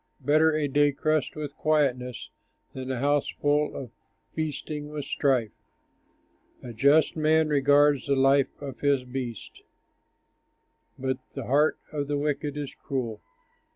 Better a dry crust with quietness Than a house full of feasting with strife. A just man regards the life of his beast, But the heart of the wicked is cruel.